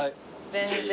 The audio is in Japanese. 全然。